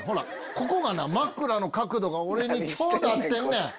ここがな枕の角度が俺にちょうど合ってんねん。